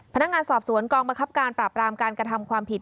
พนักงานสอบสวนกองบังคับการปราบรามการกระทำความผิด